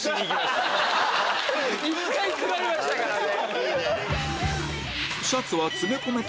１回食らいましたからね。